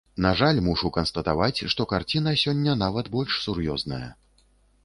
На жаль, мушу канстатаваць, што карціна сёння нават больш сур'ёзная.